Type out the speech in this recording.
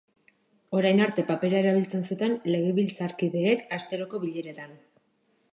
Orain arte papera erabiltzen zuten legebiltzarkideek asteroko bileretan.